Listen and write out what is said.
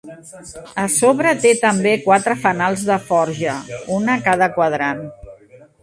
A sobre té també quatre fanals de forja, una a cada quadrant.